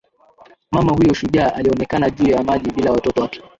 mama huyo shujaa alionekana juu ya maji bila watoto wake